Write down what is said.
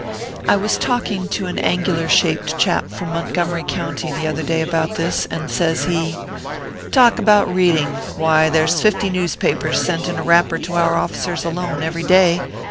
I was talking 9 194 ORPHEUS C. KERB PAPERS. to an angular shaped chap from Montgomery county the other day about this, and says he :" Talk about reading ! Why, there s fifty news papers sent in a wrapper to our officers alone, every day.